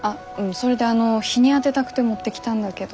それであの日に当てたくて持ってきたんだけど。